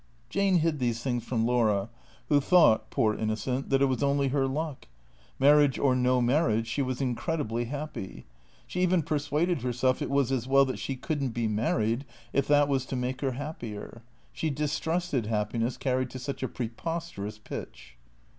Jane hid these things from Laura, who thought, poor inno cent, that it was only her luck. Marriage or no marriage, she was incredibly happy. She even persuaded herself it was as well that she could n't be married if that was to make her hap pier. She distrusted happiness carried to such a preposterous pitch.